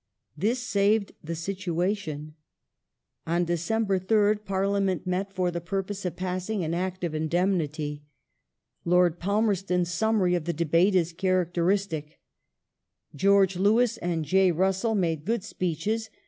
This saved the situation. On December 3rd Parliament met for the purpose of passing an Act of Indemnity. Lord Palmerston's summary of the debate is characteristic :" George Lewis and J. Russell made good speeches.